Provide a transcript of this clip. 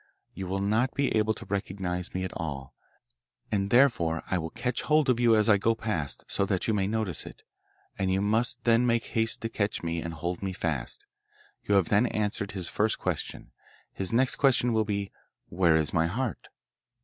You will not be able to recognise me at all, and therefore I will catch hold of you as I go past, so that you can notice it, and you must then make haste to catch me and hold me fast. You have then answered his first question. His next question will be, "Where is my heart?"